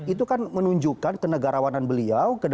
itu kan menunjukkan kenegarawanan beliau